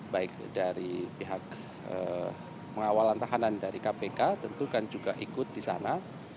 baik dari pihak pengawalan tahanan dari kpk tentu kan juga ikut di sana